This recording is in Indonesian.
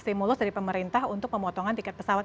stimulus dari pemerintah untuk pemotongan tiket pesawat